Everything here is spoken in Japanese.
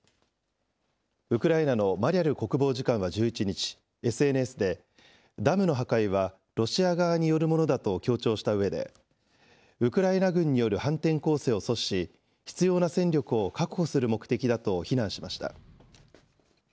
ウクライナのマリャル国防次官は１１日、ＳＮＳで、ダムの破壊はロシア側によるものだと強調したうえで、ウクライナ軍による反転攻勢を阻止し、必要な戦力を確保する目的だと非難しました。